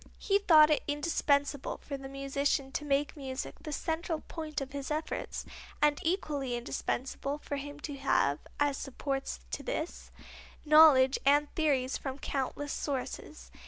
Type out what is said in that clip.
He thought it indispensable for the musician to make music the central point of his efforts and equally indispensable for him to have, as supports to this, knowledge and theories from countless sources.